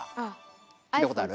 聞いたことある？